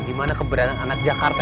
gimana keberadaan anak jakarta